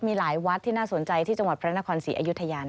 มีหลายวัดที่น่าสนใจที่จังหวัดพระนครศรีอยุธยา